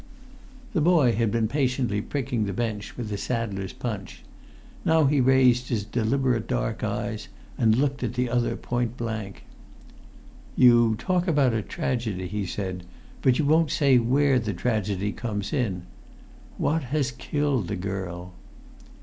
The boy had been patiently pricking the bench with a saddler's punch; now he raised his deliberate dark eyes and looked at the other point blank. "You talk about a tragedy," he said, "but you won't say where the tragedy comes in. What has killed the girl?"